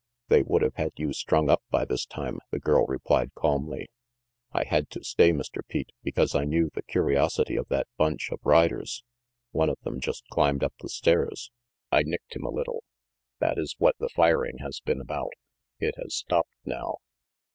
"They would have had you strung up by this time," the girl replied calmly. "I had to stay, Mr. Pete, because I knew the curiosity of that bunch of riders. One of them just climbed up the stairs. I nicked him a little. That is what the firing has been about. It has stopped now."